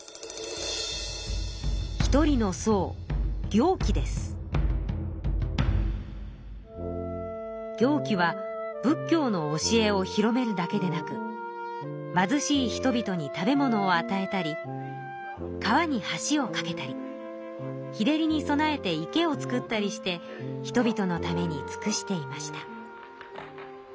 １人のそう行基は仏教の教えを広めるだけでなく貧しい人々に食べ物をあたえたり川に橋をかけたり日照りに備えて池を造ったりして人々のためにつくしていました。